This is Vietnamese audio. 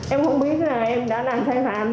em không biết là em đã làm sai phạm